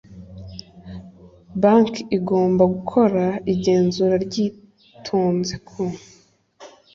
banki igomba gukora igenzura ryitonze ku